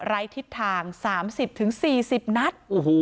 ไร้ทิศทาง๓๐๔๐นัท